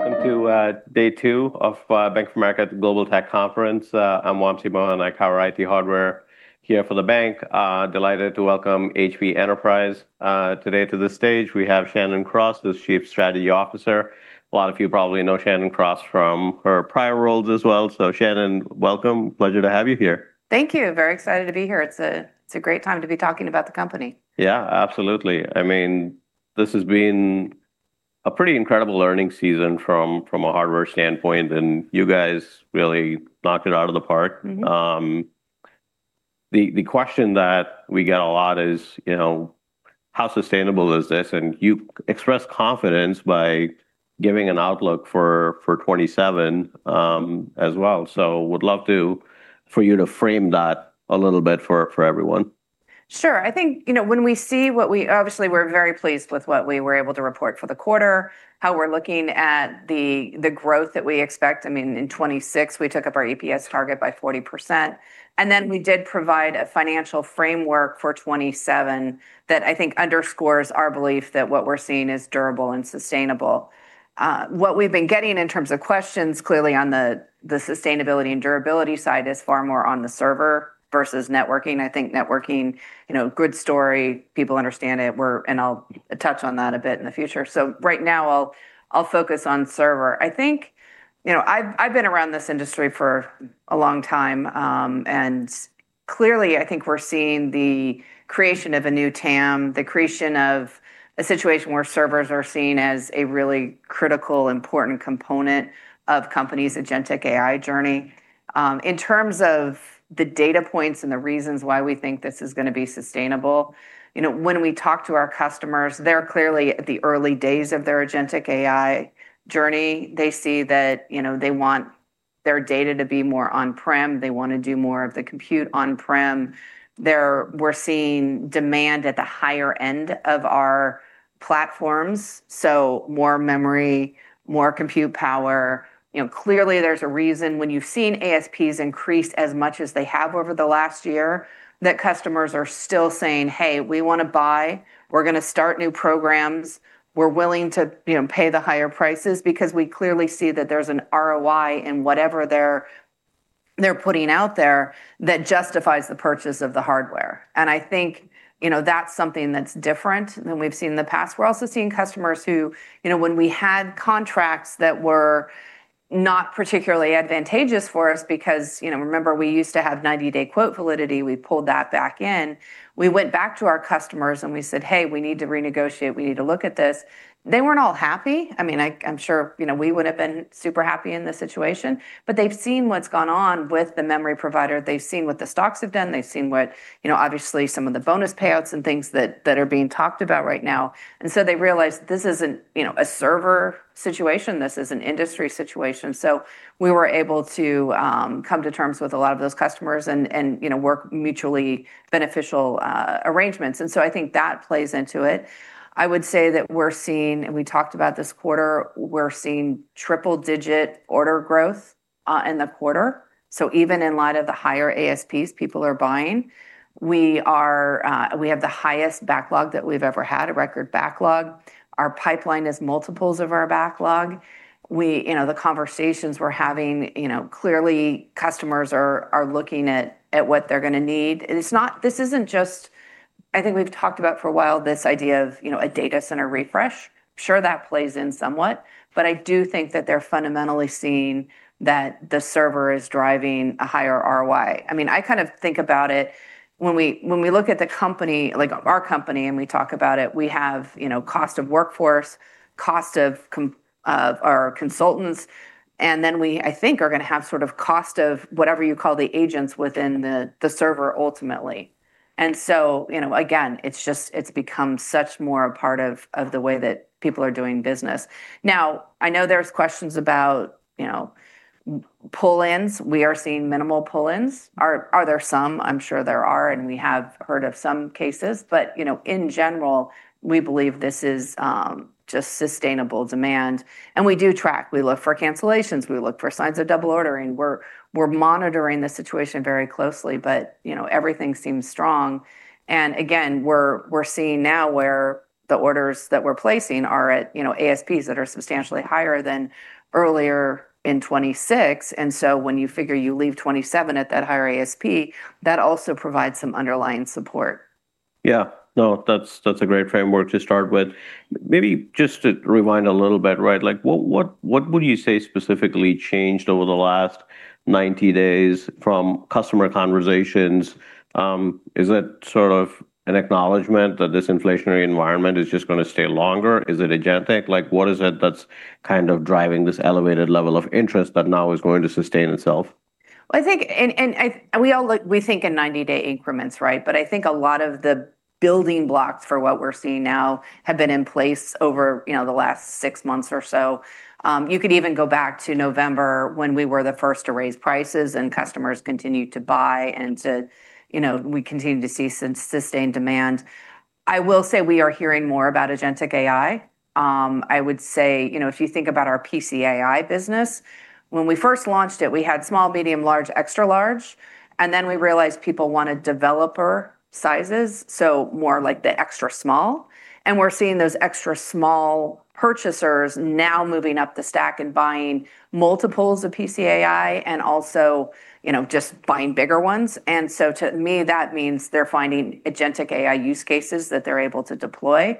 Welcome to day two of Bank of America Global Technology Conference. I'm Wamsi Mohan. I cover IT hardware here for the bank. Delighted to welcome HPE Enterprise today to the stage. We have Shannon Cross, who's Chief Strategy Officer. A lot of you probably know Shannon Cross from her prior roles as well. Shannon, welcome. Pleasure to have you here. Thank you. Very excited to be here. It's a great time to be talking about the company. Yeah, absolutely. This has been a pretty incredible learning season from a hardware standpoint, and you guys really knocked it out of the park. The question that we get a lot is, how sustainable is this? You express confidence by giving an outlook for 2027, as well. Would love for you to frame that a little bit for everyone. Sure. Obviously, we're very pleased with what we were able to report for the quarter, how we're looking at the growth that we expect. In 2026, we took up our EPS target by 40%, and then we did provide a financial framework for 2027 that I think underscores our belief that what we're seeing is durable and sustainable. What we've been getting in terms of questions, clearly on the sustainability and durability side is far more on the server versus networking. I think networking, good story. People understand it, and I'll touch on that a bit in the future. Right now, I'll focus on server. I've been around this industry for a long time. Clearly, I think we're seeing the creation of a new TAM, the creation of a situation where servers are seen as a really critical, important component of companies' Agentic AI journey. In terms of the data points and the reasons why we think this is going to be sustainable, when we talk to our customers, they're clearly at the early days of their Agentic AI journey. They see that they want their data to be more on-prem. They want to do more of the compute on-prem. We're seeing demand at the higher end of our platforms, so more memory, more compute power. Clearly, there's a reason when you've seen ASPs increase as much as they have over the last year, that customers are still saying, "Hey, we want to buy. We're going to start new programs. We're willing to pay the higher prices because we clearly see that there's an ROI in whatever they're putting out there that justifies the purchase of the hardware." I think that's something that's different than we've seen in the past. We're also seeing customers who, when we had contracts that were not particularly advantageous for us because, remember, we used to have 90-day quote validity, we pulled that back in. We went back to our customers and we said, "Hey, we need to renegotiate. We need to look at this." They weren't all happy. I'm sure we would've been super happy in this situation, but they've seen what's gone on with the memory provider. They've seen what the stocks have done. They've seen, obviously, some of the bonus payouts and things that are being talked about right now. They realize this isn't a server situation. This is an industry situation. We were able to come to terms with a lot of those customers and work mutually beneficial arrangements. I think that plays into it. I would say that we're seeing, and we talked about this quarter, we're seeing triple-digit order growth, in the quarter. Even in light of the higher ASPs, people are buying. We have the highest backlog that we've ever had, a record backlog. Our pipeline is multiples of our backlog. The conversations we're having, clearly customers are looking at what they're going to need. I think we've talked about for a while this idea of a data center refresh. Sure, that plays in somewhat, but I do think that they're fundamentally seeing that the server is driving a higher ROI. I think about it, when we look at our company and we talk about it, we have cost of workforce, cost of our consultants, and then we, I think, are going to have cost of whatever you call the agents within the server ultimately. Again, it's become such more a part of the way that people are doing business. Now, I know there's questions about pull-ins. We are seeing minimal pull-ins. Are there some? I'm sure there are, and we have heard of some cases. In general, we believe this is just sustainable demand. We do track. We look for cancellations. We look for signs of double ordering. We're monitoring the situation very closely, but everything seems strong. Again, we're seeing now where the orders that we're placing are at ASPs that are substantially higher than earlier in 2026. When you figure you leave 2027 at that higher ASP, that also provides some underlying support. Yeah. No, that's a great framework to start with. Maybe just to rewind a little bit, what would you say specifically changed over the last 90 days from customer conversations? Is it an acknowledgment that this inflationary environment is just going to stay longer? Is it agentic? What is it that's driving this elevated level of interest that now is going to sustain itself? We think in 90-day increments, but I think a lot of the building blocks for what we're seeing now have been in place over the last six months or so. You could even go back to November when we were the first to raise prices and customers continued to buy and we continued to see some sustained demand. I will say we are hearing more about Agentic AI. I would say, if you think about our PCAI business, when we first launched it, we had small, medium, large, extra large, and then we realized people wanted developer sizes, so more like the extra small. We're seeing those extra small purchasers now moving up the stack and buying multiples of PCAI and also just buying bigger ones. To me, that means they're finding Agentic AI use cases that they're able to deploy.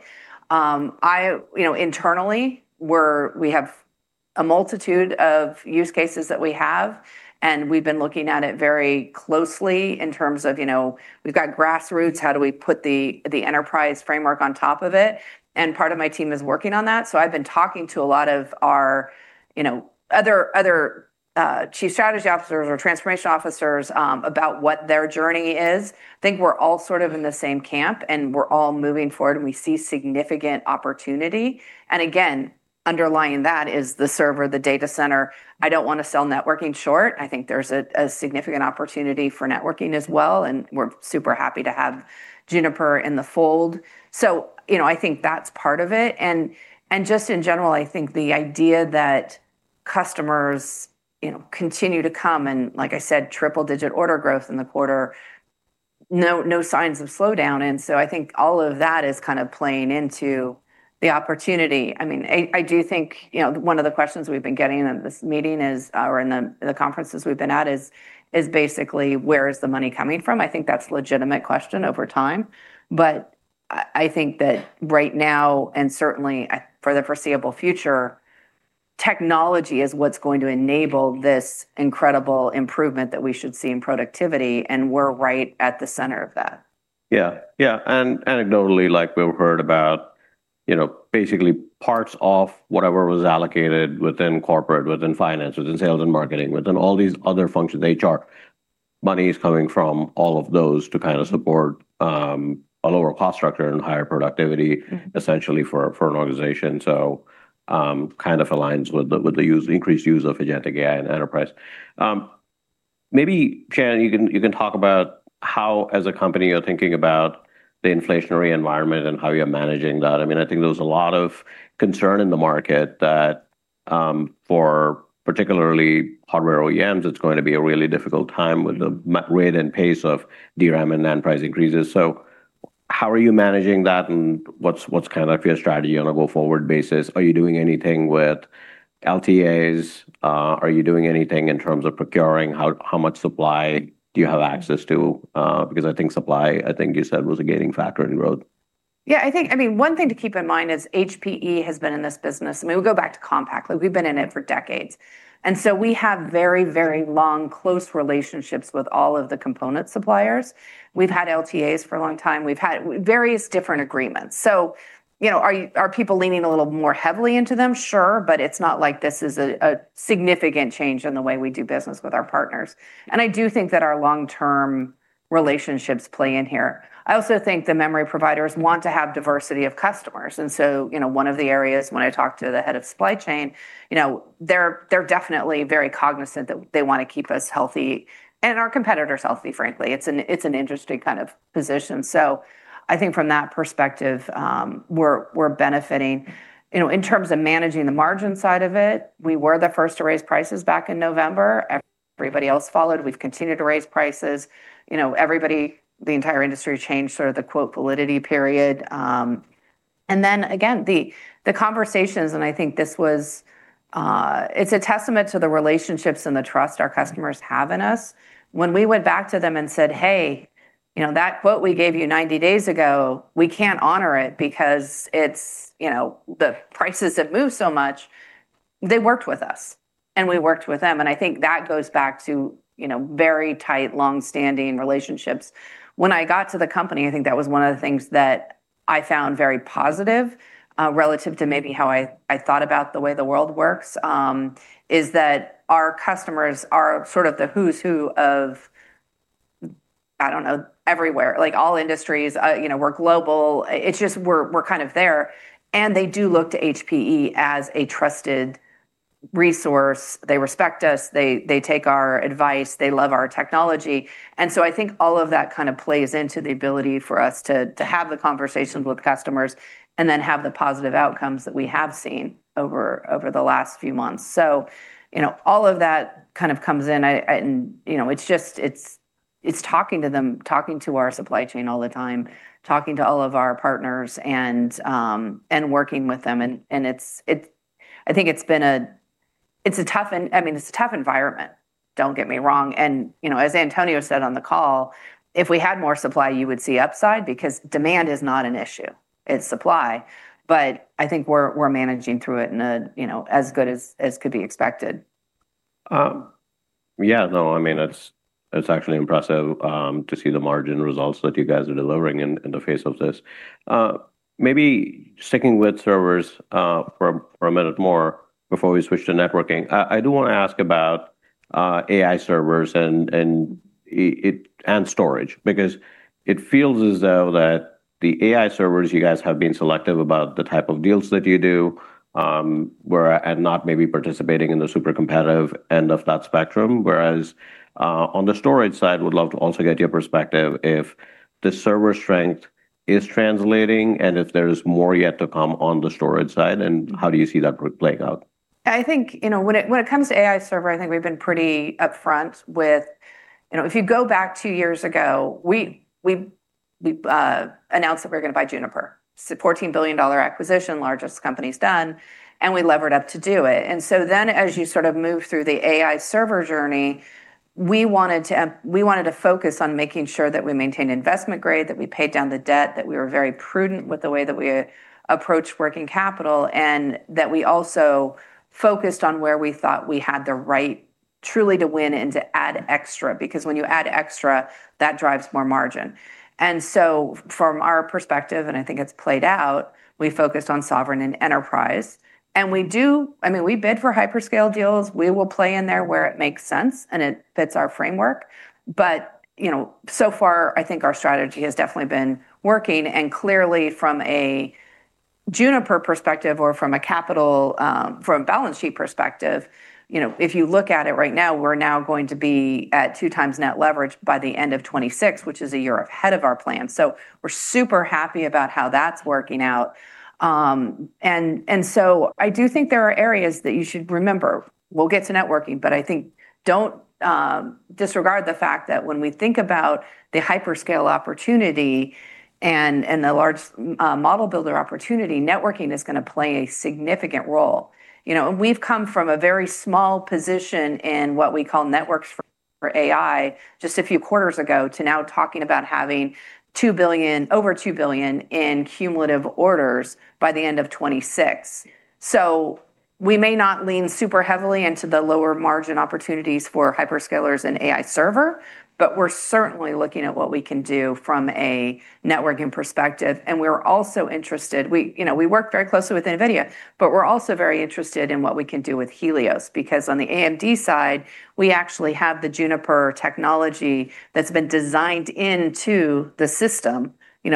Internally, we have a multitude of use cases that we have, and we've been looking at it very closely in terms of, we've got grassroots, how do we put the enterprise framework on top of it? Part of my team is working on that. I've been talking to a lot of our other chief strategy officers or transformation officers about what their journey is. I think we're all sort of in the same camp and we're all moving forward, and we see significant opportunity. Again, underlying that is the server, the data center. I don't want to sell networking short. I think there's a significant opportunity for networking as well, and we're super happy to have Juniper in the fold. I think that's part of it. Just in general, I think the idea that customers continue to come and like I said, triple-digit order growth in the quarter, no signs of slowdown. I think all of that is kind of playing into the opportunity. One of the questions we've been getting in the conferences we've been at is, basically where is the money coming from? I think that's a legitimate question over time, but I think that right now, and certainly for the foreseeable future, technology is what's going to enable this incredible improvement that we should see in productivity, and we're right at the center of that. Anecdotally, like we've heard about basically parts of whatever was allocated within corporate, within finance, within sales and marketing, within all these other functions, HR. Money is coming from all of those to kind of support a lower cost structure and higher productivity essentially for an organization. Kind of aligns with the increased use of Agentic AI in enterprise. Maybe, Shannon, you can talk about how as a company you're thinking about the inflationary environment and how you're managing that. I think there was a lot of concern in the market that for particularly hardware OEMs, it's going to be a really difficult time with the rate and pace of DRAM and NAND price increases. How are you managing that, and what's your strategy on a go-forward basis? Are you doing anything with LTAs? Are you doing anything in terms of procuring? How much supply do you have access to? I think supply, I think you said, was a gaining factor in growth. Yeah. One thing to keep in mind is HPE has been in this business. We go back to Compaq. We've been in it for decades. We have very long, close relationships with all of the component suppliers. We've had LTAs for a long time. We've had various different agreements. Are people leaning a little more heavily into them? Sure. It's not like this is a significant change in the way we do business with our partners. I do think that our long-term relationships play in here. I also think the memory providers want to have diversity of customers. One of the areas when I talked to the head of supply chain, they're definitely very cognizant that they want to keep us healthy and our competitors healthy, frankly. It's an interesting kind of position. I think from that perspective, we're benefiting. In terms of managing the margin side of it, we were the first to raise prices back in November. Everybody else followed. We've continued to raise prices. The entire industry changed sort of the quote validity period. Again, the conversations, and I think this was a testament to the relationships and the trust our customers have in us. When we went back to them and said, "Hey, that quote we gave you 90 days ago, we can't honor it because the prices have moved so much," they worked with us, and we worked with them. I think that goes back to very tight, long-standing relationships. When I got to the company, I think that was one of the things that I found very positive, relative to maybe how I thought about the way the world works, is that our customers are sort of the who's who of, I don't know, everywhere, like all industries, we're global. It's just we're kind of there, and they do look to HPE as a trusted resource. They respect us. They take our advice. They love our technology. I think all of that kind of plays into the ability for us to have the conversations with customers and then have the positive outcomes that we have seen over the last few months. All of that kind of comes in, and it's talking to them, talking to our supply chain all the time, talking to all of our partners and working with them. I mean, it's a tough environment, don't get me wrong. As Antonio said on the call, if we had more supply, you would see upside because demand is not an issue, it's supply. I think we're managing through it in as good as could be expected. Yeah. No, it's actually impressive to see the margin results that you guys are delivering in the face of this. Maybe sticking with servers for a minute more before we switch to networking. I do want to ask about AI servers and storage because it feels as though that the AI servers, you guys have been selective about the type of deals that you do, and not maybe participating in the super competitive end of that spectrum. Whereas on the storage side, would love to also get your perspective if the server strength is translating and if there's more yet to come on the storage side, and how do you see that playing out? When it comes to AI server, we've been pretty upfront. If you go back two years ago, we announced that we're going to buy Juniper. It's a $14 billion acquisition, largest company's done. We levered up to do it. As you sort of move through the AI server journey, we wanted to focus on making sure that we maintain investment grade, that we paid down the debt, that we were very prudent with the way that we approached working capital, and that we also focused on where we thought we had the right truly to win and to add extra. When you add extra, that drives more margin. From our perspective, and I think it's played out, we focused on sovereign and enterprise. We do, I mean, we bid for hyperscale deals. We will play in there where it makes sense and it fits our framework. So far, I think our strategy has definitely been working, and clearly from a Juniper perspective or from a balance sheet perspective, if you look at it right now, we're now going to be at 2x net leverage by the end of 2026, which is a year ahead of our plan. We're super happy about how that's working out. I do think there are areas that you should remember. We'll get to networking, I think don't disregard the fact that when we think about the hyperscale opportunity and the large model builder opportunity, networking is going to play a significant role. We've come from a very small position in what we call networks for AI just a few quarters ago, to now talking about having over $2 billion in cumulative orders by the end of 2026. We may not lean super heavily into the lower margin opportunities for hyperscalers and AI server, but we're certainly looking at what we can do from a networking perspective. We're also interested. We work very closely with NVIDIA, but we're also very interested in what we can do with Helios, because on the AMD side, we actually have the Juniper technology that's been designed into the system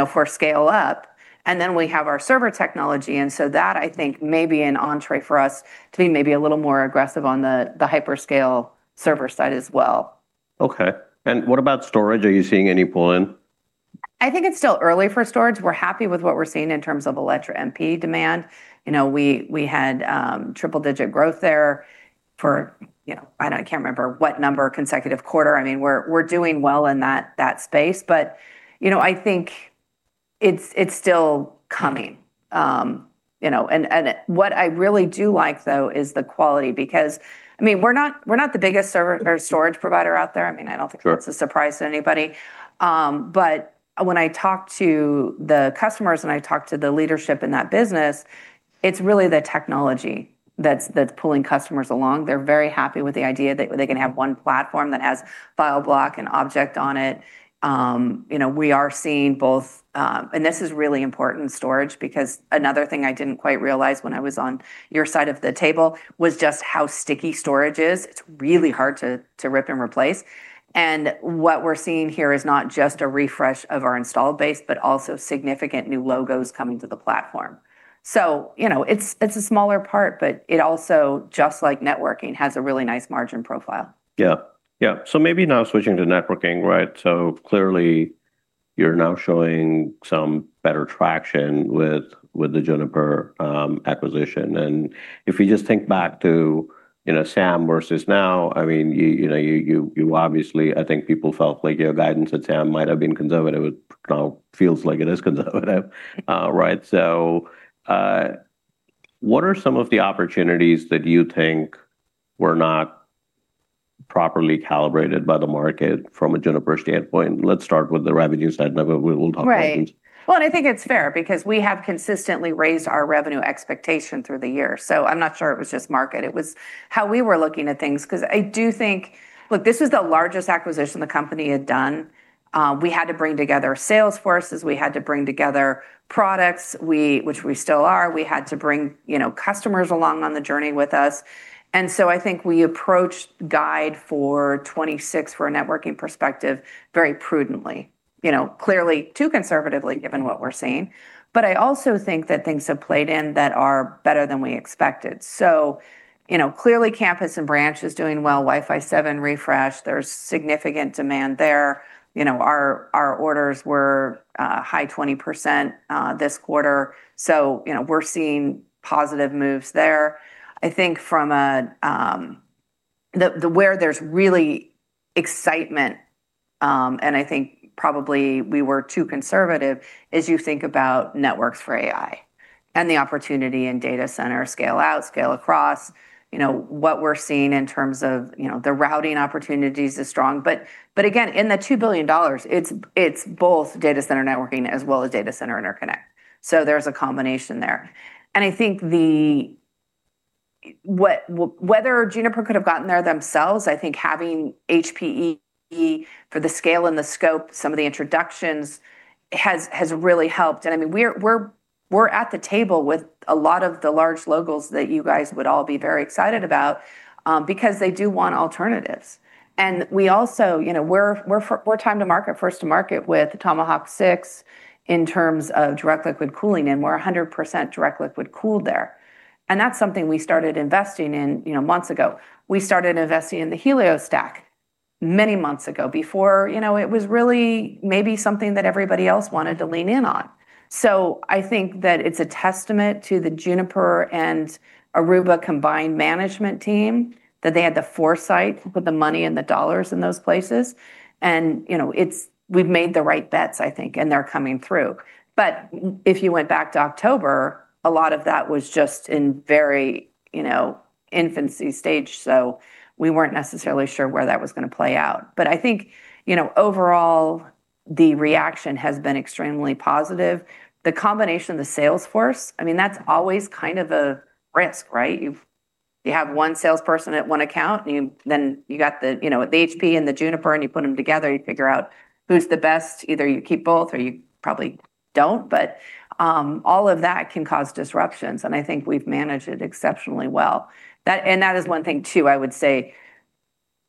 for scale up, and then we have our server technology. That, I think, may be an entree for us to be maybe a little more aggressive on the hyperscale server side as well. Okay. What about storage? Are you seeing any pull in? I think it's still early for storage. We're happy with what we're seeing in terms of Alletra MP demand. We had triple-digit growth there for, I can't remember what number, consecutive quarter. We're doing well in that space. I think it's still coming. What I really do like, though, is the quality. We're not the biggest server or storage provider out there. Sure that's a surprise to anybody. When I talk to the customers and I talk to the leadership in that business, it's really the technology that's pulling customers along. They're very happy with the idea that they can have one platform that has file block and object on it. We are seeing both, and this is really important storage, because another thing I didn't quite realize when I was on your side of the table was just how sticky storage is. It's really hard to rip and replace. What we're seeing here is not just a refresh of our installed base, but also significant new logos coming to the platform. It's a smaller part, but it also, just like networking, has a really nice margin profile. Yeah. Maybe now switching to networking. Clearly you're now showing some better traction with the Juniper acquisition. If you just think back to SAM versus now, you obviously, I think people felt like your guidance at SAM might have been conservative. It now feels like it is conservative. What are some of the opportunities that you think were not properly calibrated by the market from a Juniper standpoint? Let's start with the revenue side. Right solutions. I think it's fair, because we have consistently raised our revenue expectation through the year. I'm not sure it was just market, it was how we were looking at things. I do think, look, this is the largest acquisition the company had done. We had to bring together sales forces, we had to bring together products, which we still are. We had to bring customers along on the journey with us. I think we approached guide for 2026 for a networking perspective very prudently. Clearly too conservatively, given what we're seeing. I also think that things have played in that are better than we expected. Clearly campus and branch is doing well. Wi-Fi 7 refresh, there's significant demand there. Our orders were a high 20% this quarter. We're seeing positive moves there. I think from where there's really excitement, and I think probably we were too conservative, is you think about networks for AI and the opportunity in data center scale out, scale across. What we're seeing in terms of the routing opportunities is strong. Again, in the $2 billion, it's both data center networking as well as data center interconnect. There's a combination there. I think whether Juniper could have gotten there themselves, I think having HPE for the scale and the scope, some of the introductions has really helped. We're at the table with a lot of the large logos that you guys would all be very excited about, because they do want alternatives. We're time to market, first to market with Tomahawk 6 in terms of direct liquid cooling, and we're 100% direct liquid cooled there. That's something we started investing in months ago. We started investing in the Helios stack many months ago before it was really maybe something that everybody else wanted to lean in on. I think that it's a testament to the Juniper and Aruba combined management team that they had the foresight to put the money and the dollars in those places. We've made the right bets, I think, and they're coming through. If you went back to October, a lot of that was just in very infancy stage, so we weren't necessarily sure where that was going to play out. I think, overall, the reaction has been extremely positive. The combination of the sales force, that's always a risk, right? You have one salesperson at one account, then you got the HPE and the Juniper, and you put them together and you figure out who's the best. Either you keep both or you probably don't. All of that can cause disruptions, and I think we've managed it exceptionally well. That is one thing too, I would say.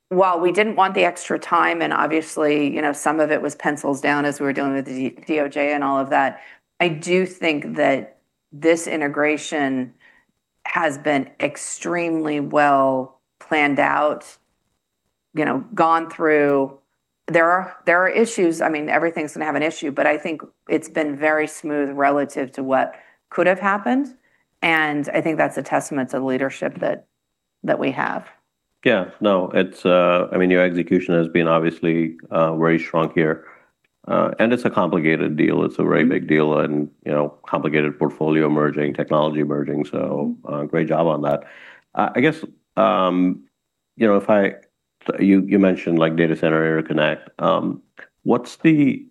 While we didn't want the extra time, and obviously, some of it was pencils down as we were dealing with the DOJ and all of that, I do think that this integration has been extremely well planned out, gone through. There are issues. Everything's going to have an issue, but I think it's been very smooth relative to what could have happened. I think that's a testament to the leadership that we have. Yeah. No. Your execution has been obviously very strong here. It's a complicated deal. It's a very big deal and complicated portfolio merging, technology merging, so great job on that. You mentioned data center interconnect. What's the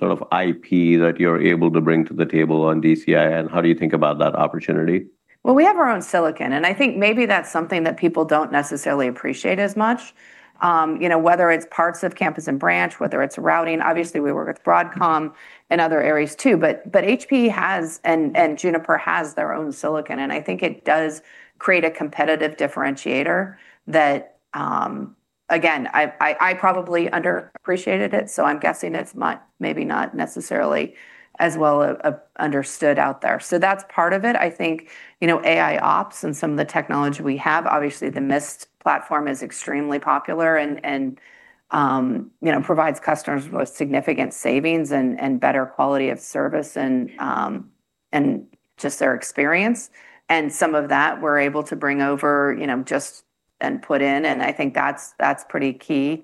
sort of IP that you're able to bring to the table on DCI, and how do you think about that opportunity? We have our own silicon, and I think maybe that's something that people don't necessarily appreciate as much. Whether it's parts of campus and branch, whether it's routing, obviously we work with Broadcom in other areas too. HPE has, and Juniper has their own silicon, and I think it does create a competitive differentiator that, again, I probably underappreciated it, I'm guessing it's maybe not necessarily as well understood out there. That's part of it. I think AIOps and some of the technology we have, obviously the Mist platform is extremely popular and provides customers with significant savings and better quality of service, and just their experience. Some of that we're able to bring over, just and put in, I think that's pretty key.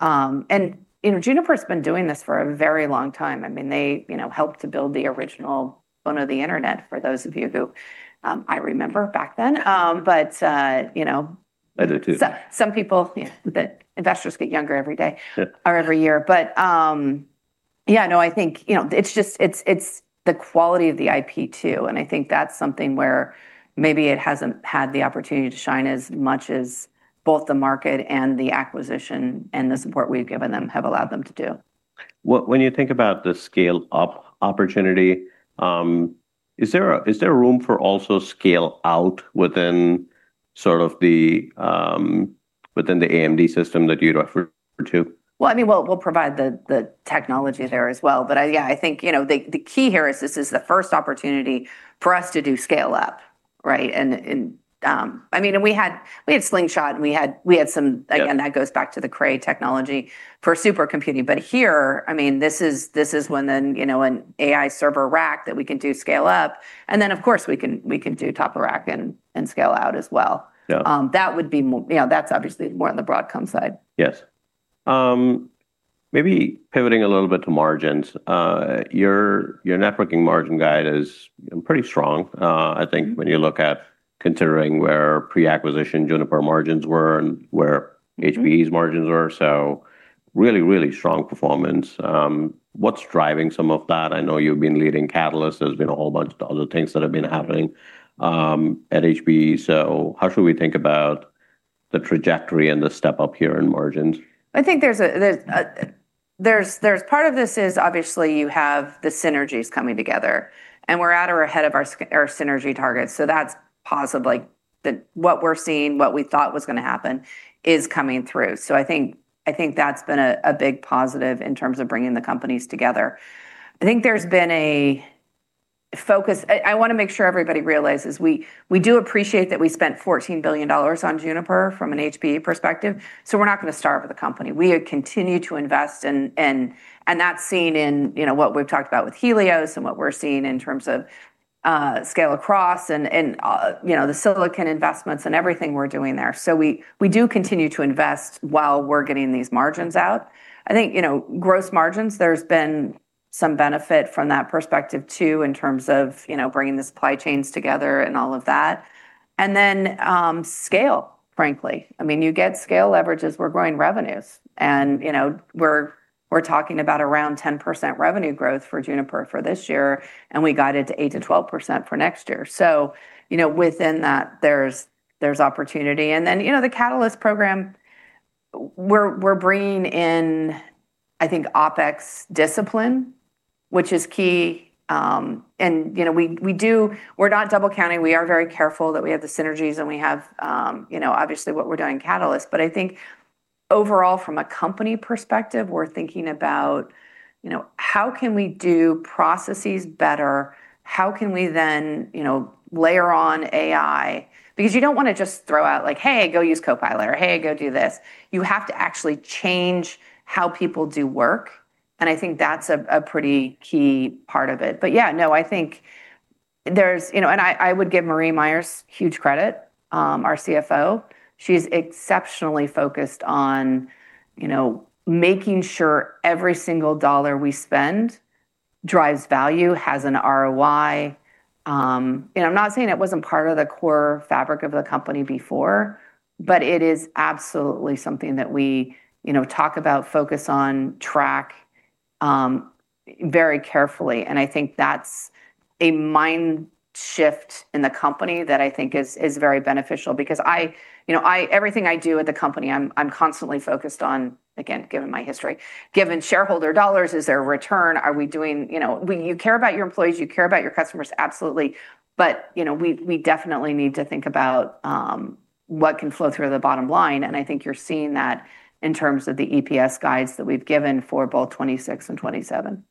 Juniper's been doing this for a very long time. They helped to build the original backbone of the internet for those of you who I remember back then. I do too. Some people, yeah, investors get younger every day or every year. Yeah, no, I think it's the quality of the IP too, and I think that's something where maybe it hasn't had the opportunity to shine as much as both the market and the acquisition and the support we've given them have allowed them to do. When you think about the scale up opportunity, is there room for also scale out within the AMD system that you referred to? Well, we'll provide the technology there as well. I think the key here is this is the first opportunity for us to do scale up, right? We had Slingshot and we had some. Yeah That goes back to the Cray technology for supercomputing. This is when an AI server rack that we can do scale up, and then of course we can do top-of-rack and scale out as well. Yeah. That's obviously more on the Broadcom side. Yes. Pivoting a little bit to margins. Your networking margin guide is pretty strong, I think, when you look at considering where pre-acquisition Juniper margins were and where HPE's margins were. Really strong performance. What's driving some of that? I know you've been leading Catalyst. There's been a whole bunch of other things that have been happening at HPE. How should we think about the trajectory and the step up here in margins? I think part of this is obviously you have the synergies coming together, and we're at or ahead of our synergy targets. That's positive. What we're seeing, what we thought was going to happen is coming through. I think that's been a big positive in terms of bringing the companies together. I want to make sure everybody realizes we do appreciate that we spent $14 billion on Juniper from an HPE perspective, so we're not going to starve the company. We continue to invest and that's seen in what we've talked about with Helios and what we're seeing in terms of scale across and the silicon investments and everything we're doing there. We do continue to invest while we're getting these margins out. I think, gross margins, there's been some benefit from that perspective, too, in terms of bringing the supply chains together and all of that. Scale, frankly. You get scale leverage as we're growing revenues. We're talking about around 10% revenue growth for Juniper for this year, and we guided to 8%-12% for next year. Within that, there's opportunity. The Catalyst program, we're bringing in, I think, OpEx discipline, which is key. We're not double counting. We are very careful that we have the synergies and we have obviously what we're doing in Catalyst. I think overall from a company perspective, we're thinking about how can we do processes better? How can we then layer on AI? You don't want to just throw out like, "Hey, go use Copilot," or, "Hey, go do this." You have to actually change how people do work. I think that's a pretty key part of it. Yeah, no, I would give Marie Myers huge credit, our CFO. She's exceptionally focused on making sure every single dollar we spend drives value, has an ROI. I'm not saying it wasn't part of the core fabric of the company before, but it is absolutely something that we talk about, focus on, track very carefully. I think that's a mind shift in the company that I think is very beneficial because everything I do at the company, I'm constantly focused on, again, given my history, given shareholder dollars, is there a return? You care about your employees, you care about your customers, absolutely. We definitely need to think about what can flow through the bottom line, and I think you're seeing that in terms of the EPS guides that we've given for both 2026 and 2027.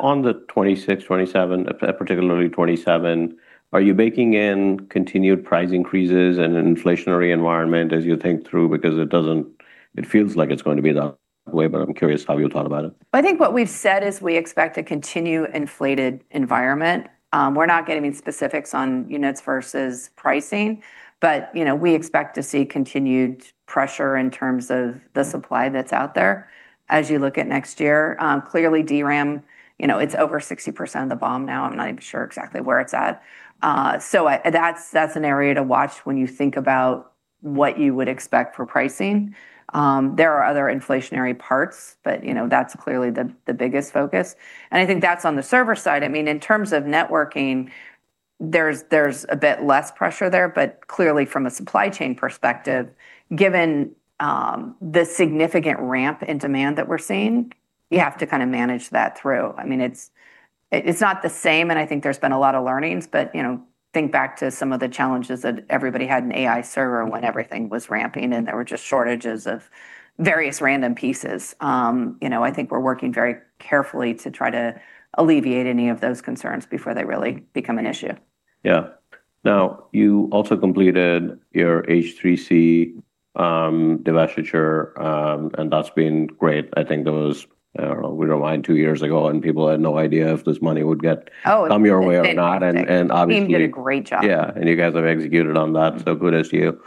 On the 2026, 2027, particularly 2027, are you baking in continued price increases and an inflationary environment as you think through? It feels like it's going to be that way, but I'm curious how you thought about it. I think what we've said is we expect a continued inflated environment. We're not giving any specifics on units versus pricing, but we expect to see continued pressure in terms of the supply that's out there as you look at next year. Clearly DRAM, it's over 60% of the BOM now. I'm not even sure exactly where it's at. That's an area to watch when you think about what you would expect for pricing. There are other inflationary parts, but that's clearly the biggest focus, and I think that's on the server side. In terms of networking, there's a bit less pressure there, but clearly from a supply chain perspective, given the significant ramp in demand that we're seeing, you have to kind of manage that through. It's not the same. I think there's been a lot of learnings. Think back to some of the challenges that everybody had in AI server when everything was ramping, and there were just shortages of various random pieces. I think we're working very carefully to try to alleviate any of those concerns before they really become an issue. Yeah. Now, you also completed your H3C divestiture, and that's been great. I think it was, I don't know, we don't mind two years ago, and people had no idea if this money would come your way or not. The team did a great job. Yeah, you guys have executed on that, so kudos to you.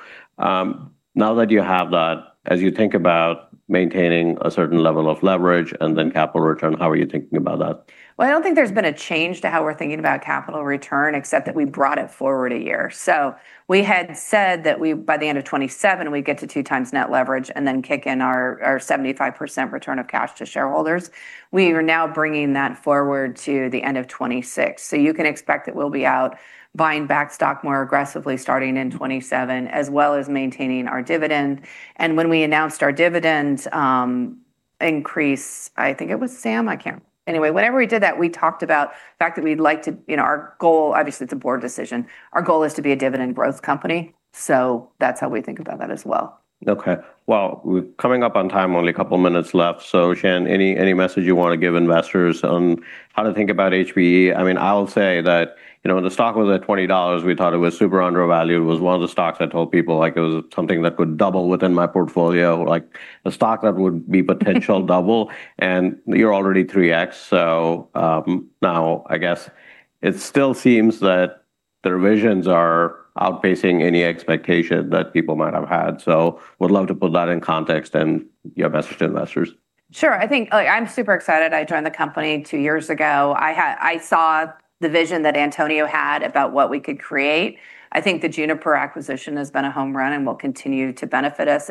Now that you have that, as you think about maintaining a certain level of leverage and then capital return, how are you thinking about that? Well, I don't think there's been a change to how we're thinking about capital return, except that we brought it forward a year. We had said that by the end of 2027, we'd get to two times net leverage and then kick in our 75% return of cash to shareholders. We are now bringing that forward to the end of 2026. You can expect that we'll be out buying back stock more aggressively starting in 2027, as well as maintaining our dividend. When we announced our dividend increase, I think it was Sam, I can't Anyway, whenever we did that, we talked about the fact that we'd like to Obviously, it's a board decision. Our goal is to be a dividend growth company, so that's how we think about that as well. Okay. Well, we're coming up on time. Only a couple minutes left. Shannon, any message you want to give investors on how to think about HPE? I'll say that when the stock was at $20, we thought it was super undervalued. It was one of the stocks I told people, it was something that could double within my portfolio, like a stock that would be potential double, and you're already 3x. Now I guess it still seems that the revisions are outpacing any expectation that people might have had. Would love to put that in context and your message to investors. Sure. I'm super excited. I joined the company two years ago. I saw the vision that Antonio had about what we could create. I think the Juniper acquisition has been a home run and will continue to benefit us.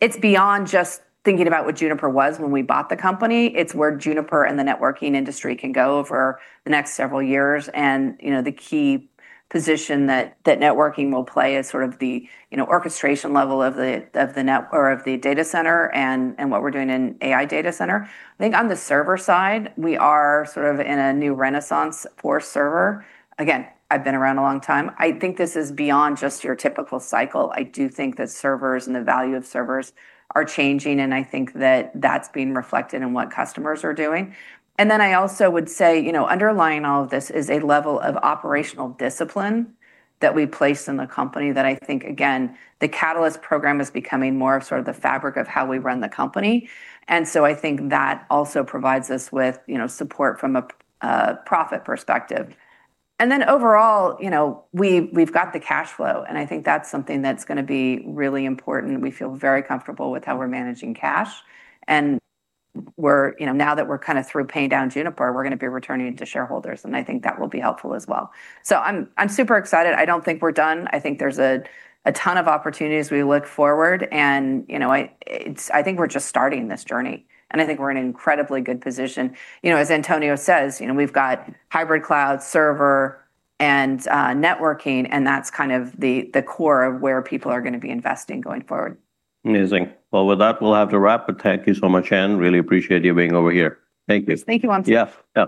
It's beyond just thinking about what Juniper was when we bought the company. It's where Juniper and the networking industry can go over the next several years, and the key position that networking will play as sort of the orchestration level of the data center and what we're doing in AI data center. I think on the server side, we are sort of in a new renaissance for server. Again, I've been around a long time. I think this is beyond just your typical cycle. I do think that servers and the value of servers are changing, and I think that that's being reflected in what customers are doing. I also would say, underlying all of this is a level of operational discipline that we place in the company that I think, again, the Catalyst program is becoming more of sort of the fabric of how we run the company. I think that also provides us with support from a profit perspective. Overall, we've got the cash flow, and I think that's something that's going to be really important. We feel very comfortable with how we're managing cash. Now that we're kind of through paying down Juniper, we're going to be returning to shareholders, and I think that will be helpful as well. I'm super excited. I don't think we're done. I think there's a ton of opportunities we look forward, and I think we're just starting this journey, and I think we're in an incredibly good position. As Antonio says, we've got hybrid cloud server and networking, and that's kind of the core of where people are going to be investing going forward. Amazing. Well, with that, we'll have to wrap. Thank you so much, Shannon. Really appreciate you being over here. Thank you. Thank you, Wamsi. Yeah.